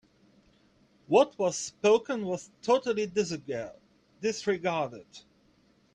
What was spoken was totally disregarded.